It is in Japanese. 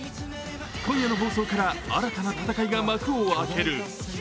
今夜の放送から、新たな戦いが幕を開ける。